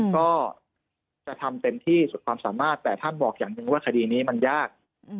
ก็จะทำเต็มที่สุดความสามารถแต่ท่านบอกอย่างหนึ่งว่าคดีนี้มันยาก